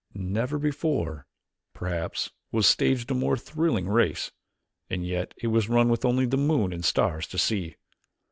Never before, perhaps, was staged a more thrilling race, and yet it was run with only the moon and stars to see.